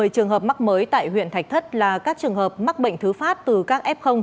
một mươi trường hợp mắc mới tại huyện thạch thất là các trường hợp mắc bệnh thứ phát từ các f